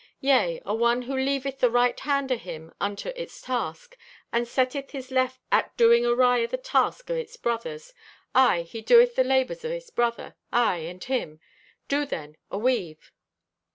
Yea, a one who leaveth the right hand o' him unto its task, and setteth his left at doing awry o' the task o' its brothers. Aye, he doeth the labors o' his brother, aye, and him. Do then, aweave."